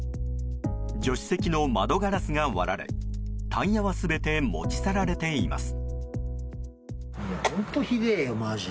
助手席の窓ガラスが割られタイヤは全て持ち去られています。